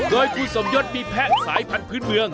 โดยคุณสมยศมีแพะสายพันธุ์เมือง